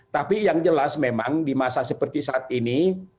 tapi yang jelas memang di masa seperti saat ini